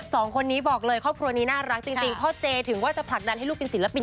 สองคนนี้บอกเลยครอบครัวนี้น่ารักจริงพ่อเจถึงว่าจะผลักดันให้ลูกเป็นศิลปิน